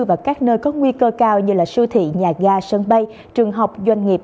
và các nơi có nguy cơ cao như siêu thị nhà ga sân bay trường học doanh nghiệp